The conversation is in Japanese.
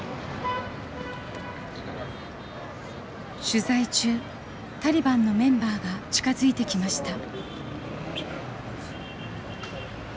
取材中タリバンのメンバーが近づいてきました。